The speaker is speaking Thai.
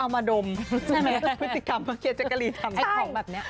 เอามาดมพฤษิกรรมเกียร์จักรีทำ